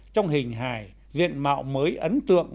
trong hình hài diện mạo mới ấn tượng